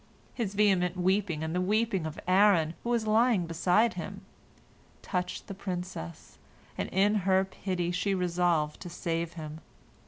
His vehement weeping and the weeping of Aaron, who was lying beside him, touched the princess, and in her pity she resolved to save him.